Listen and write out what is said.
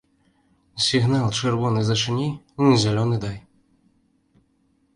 Сігнал чырвоны зачыні, зялёны дай!